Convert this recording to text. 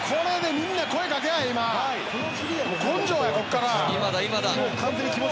みんな、声かけ合え！